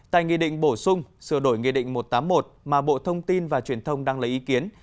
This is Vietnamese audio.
tại nghị định bổ sung sửa đổi nghị định một trăm tám mươi một mà bộ thông tin và truyền thông đăng lấy ý kiến